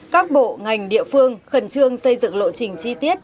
các bộ ngành địa phương khẩn trương xây dựng lộ trình chi tiết